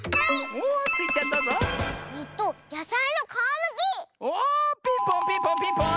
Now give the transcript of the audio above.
おおピンポンピンポンピンポーン！